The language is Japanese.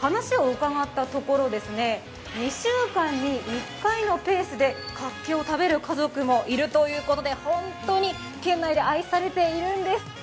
話を伺ったところ２週間に１回のペースでかっけを食べる家族もいるということで、本当に県内で愛されているんです。